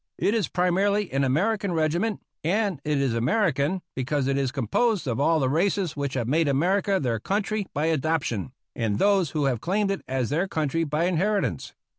It is primarily an American regiment, and it is American because it is com posed of all the races which have made America their country by adoption and those who have claimed it as their country by inheritance.